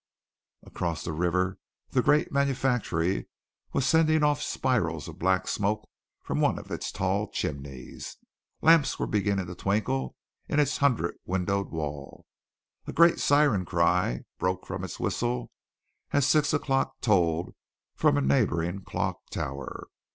Across the river the great manufactory was sending off a spiral of black smoke from one of its tall chimneys. Lamps were beginning to twinkle in its hundred windowed wall. A great siren cry broke from its whistle as six o'clock tolled from a neighboring clock tower.